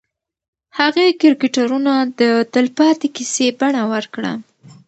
هغې کرکټرونه د تلپاتې کیسې بڼه ورکړه.